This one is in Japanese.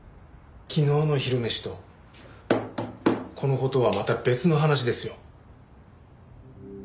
昨日の昼飯とこの事はまた別の話ですよ。